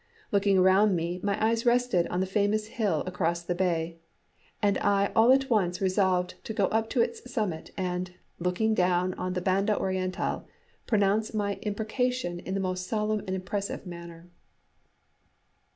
Looking around me, my eyes rested on the famous hill across the bay, and I all at once resolved to go up to its summit, and, looking down on the Banda Orientál, pronounce my imprecation in the most solemn and impressive manner.